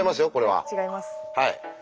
はい。